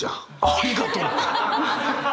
ありがとう。